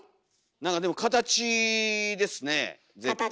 何かでも形ですね絶対。